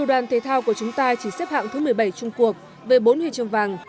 dù đoàn thể thao của chúng ta chỉ xếp hạng thứ một mươi bảy chung cuộc về bốn huyền trường vàng